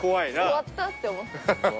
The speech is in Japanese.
終わったって思った。